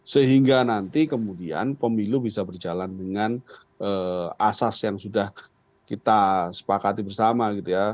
sehingga nanti kemudian pemilu bisa berjalan dengan asas yang sudah kita sepakati bersama gitu ya